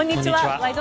「ワイド！